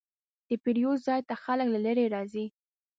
د پیرود ځای ته خلک له لرې راځي.